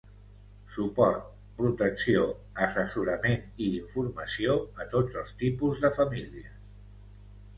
Suport, protecció, assessorament i informació a tots els tipus de famílies.